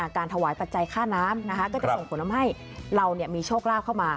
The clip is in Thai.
การถวายปัจจัยค่าน้ำก็จะส่งผลทำให้เรามีโชคลาภเข้ามา